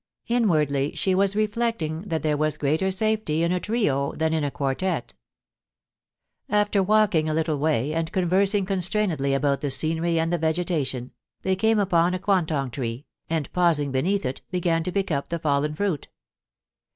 Inwardly she was re flecting that there was greater safety in a trio than in a quar tette. After walking a little way, and conversing constrainedly about the scenery and the vegetation, they came upon a quantong tree, and pausing beneath it, began to pick up the fallen fruit.